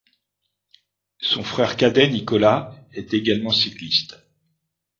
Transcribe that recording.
Son frère cadet Nicolás est également cycliste.